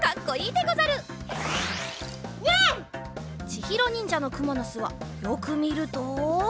ちひろにんじゃのくものすはよくみると。